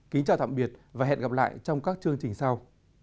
kính chào tạm biệt và hẹn gặp lại trong các chương trình sau